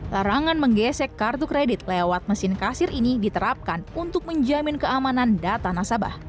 larangan menggesek kartu kredit lewat mesin kasir ini diterapkan untuk menjamin keamanan data nasabah